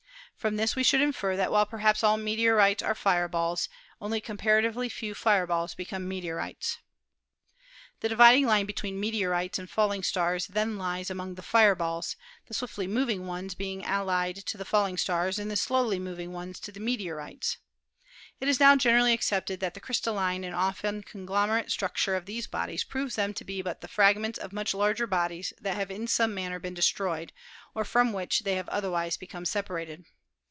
From this we should infer that while perhaps all meteorites are fire balls, only comparatively few fireballs become meteorites.. 254 ASTRONOMY The dividing line between meteorites and falling stars then lies among the fireballs , the swiftly moving ones being allied to the falling stars and the slowly moving ones to the meteorites. It is now generally accepted that the crystalline and often conglomerate structure of these bodies proves them to be but the fragments of much larger bodies that have in some manner been destroyed or from which they have otherwise become separated.